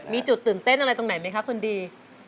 มีจุดตื่นเต้นอะไรตรงไหนไหมคะคนดี